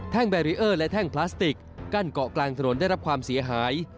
แบรีเออร์และแท่งพลาสติกกั้นเกาะกลางถนนได้รับความเสียหาย